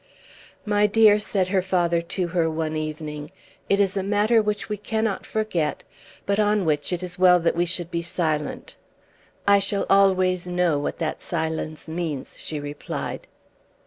"My dear," her father said to her one evening, "it is a matter which we cannot forget, but on which it is well that we should be silent." "I shall always know what that silence means," she replied.